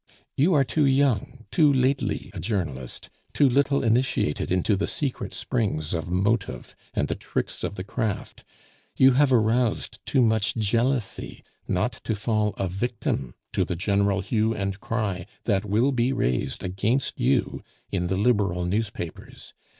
You are too young, too lately a journalist, too little initiated into the secret springs of motive and the tricks of the craft, you have aroused too much jealousy, not to fall a victim to the general hue and cry that will be raised against you in the Liberal newspapers.